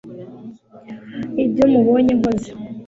ibyo mubonye nkoze